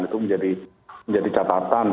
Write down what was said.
itu menjadi catatan